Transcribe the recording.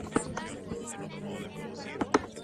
Esta canción es la firma del legendario Bon Scott.